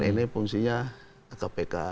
ini fungsinya kpk